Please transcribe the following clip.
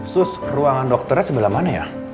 sus ruangan dokternya sebelah mana ya